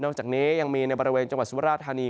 จากนี้ยังมีในบริเวณจังหวัดสุราธานี